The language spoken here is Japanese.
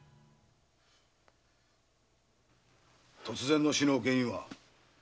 突然の死の原因は？